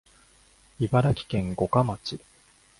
茨城県五霞町